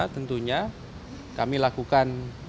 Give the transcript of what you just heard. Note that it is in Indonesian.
tentunya kami lakukan